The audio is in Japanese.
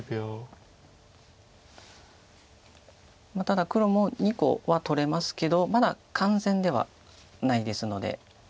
ただ黒も２個は取れますけどまだ完全ではないですので。